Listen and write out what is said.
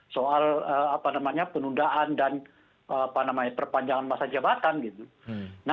soal penundaan dan perpanjangan masa jabatan gitu